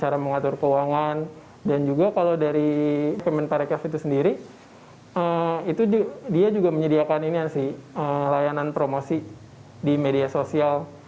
cara mengatur keuangan dan juga kalau dari kemen parekraf itu sendiri dia juga menyediakan ini layanan promosi di media sosial